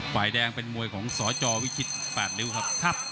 ฝ่ายแดงเป็นมวยของสจวิชิต๘ริ้วครับ